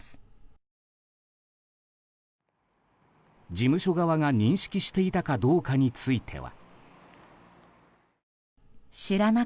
事務所側が認識していたかどうかについては。